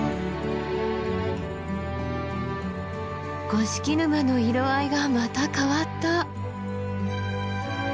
五色沼の色合いがまた変わった。